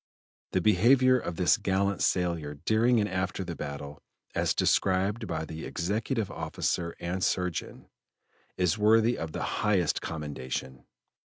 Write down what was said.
The behavior of this gallant sailor during and after the battle, as described by the Executive Officer and Surgeon, is worthy of the highest commendation.